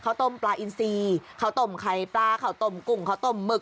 ต้มปลาอินซีข้าวต้มไข่ปลาข้าวต้มกุ่งข้าวต้มหมึก